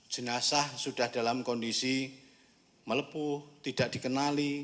jenazah sudah dalam kondisi melepuh tidak dikenali